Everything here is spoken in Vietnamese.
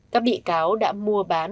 các bị cáo đã mua bán